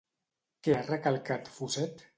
Què ha recalcat Fusset?